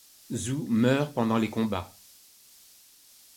Zou meurt pendant les combats.